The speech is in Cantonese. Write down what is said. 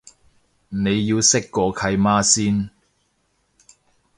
你要識個契媽先